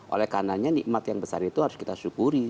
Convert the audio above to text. oleh karena nikmat yang besar itu harus kita syukuri